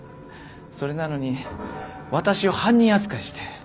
それなのに私を犯人扱いして。